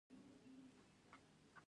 هرات د افغانستان د صادراتو یوه برخه ده.